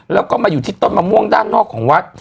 แล้วก็มาอยู่ที่ต้นมะม่วงด้านนอกของวัด